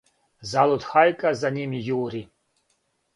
Залуд хајка за њим јури,